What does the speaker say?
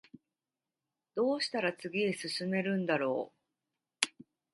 どうしたら次へ進めるんだろう